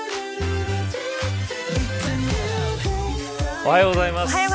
おはようございます。